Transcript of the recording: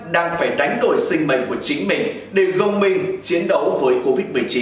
đang phải đánh đổi sinh mệnh của chính mình để gồng mình chiến đấu với covid một mươi chín